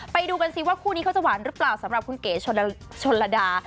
ไปดูกันนี่คู่จะหวานหรือเปล่าสำหรับเกศชนดา